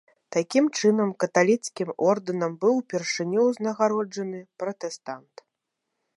Такім чынам каталіцкім ордэнам быў упершыню ўзнагароджаны пратэстант.